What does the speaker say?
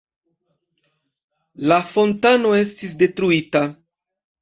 La fontano estis detruita.